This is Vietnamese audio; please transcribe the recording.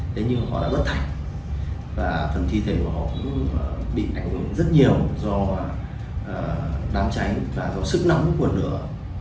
thế nhưng họ đã bất thành và phần thi thể của họ cũng bị ảnh hưởng rất nhiều do đám cháy và do sức nóng của lửa